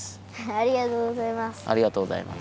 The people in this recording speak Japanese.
ありがとうございます。